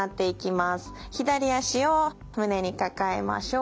左脚を胸に抱えましょう。